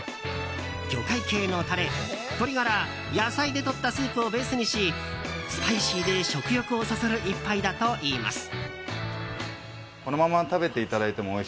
魚介系のタレ、鶏ガラ野菜でとったスープをベースにしスパイシーで食欲をそそる一杯だといいます。